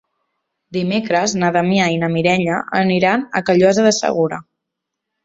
Dimecres na Damià i na Mireia aniran a Callosa de Segura.